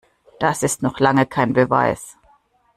Das ist noch lange kein Beweis.